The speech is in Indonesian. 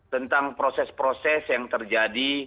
tentang proses proses yang terjadi